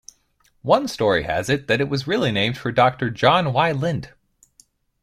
One story has it that it was really named for Doctor John Y. Lind.